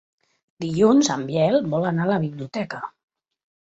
Dilluns en Biel vol anar a la biblioteca.